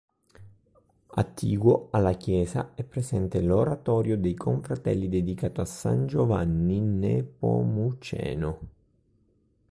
Attiguo alla chiesa è presente l'oratorio dei Confratelli dedicato a San Giovanni Nepomuceno.